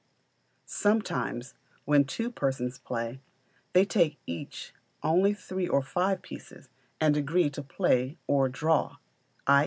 Sometimes, when two persons play, they take each only three or five pieces, and agree to play or draw, i.